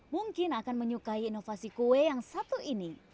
mungkin akan menyukai inovasi kue yang satu ini